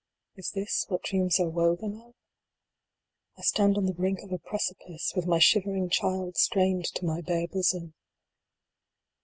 Is this what dreams are woven of? I stand on the brink of a precipice, with my shivering child strained to my bare bosom.